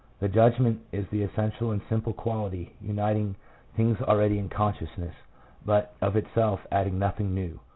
The judgment is the essential and simple quality, uniting things already in consciousness, but of itself adding nothing new.